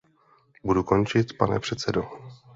Budu končit, pane předsedo.